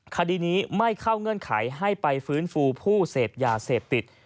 คดีนี้ไม่เข้าเงื่อนไขให้ไปฟื้นฟูผู้เสพยาเสพติด